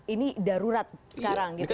ini darurat sekarang gitu